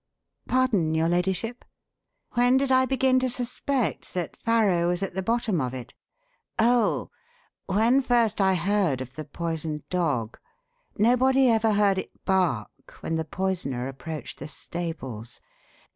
Pardon, your ladyship? When did I begin to suspect that Farrow was at the bottom of it? Oh, when first I heard of the poisoned dog. Nobody ever heard it bark when the poisoner approached the stables.